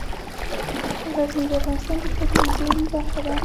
غزني د افغانستان د طبیعي زیرمو برخه ده.